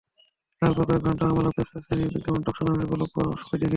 তারপরও কয়েক ঘণ্টা আমরা প্যাচপ্যাচানি বিজ্ঞাপন, টকশো নামের গালগপ্পো সবই দেখি।